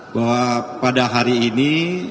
bahwa pada hari ini